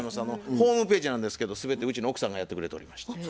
ホームページなんですけど全てうちの奥さんがやってくれておりまして。